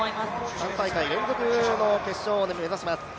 ３大会連続の決勝を目指します。